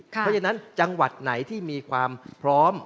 เพราะฉะนั้นจังหวัดไหนที่มีความพร้อม